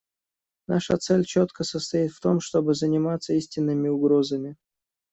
Наша цель четко состоит в том, чтобы заниматься истинными угрозами.